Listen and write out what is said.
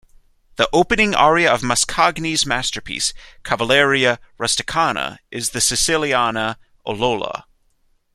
The opening aria of Mascagni's masterpiece "Cavalleria rusticana" is the Siciliana "O Lola".